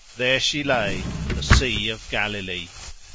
There she lay, the Sea of Galilee.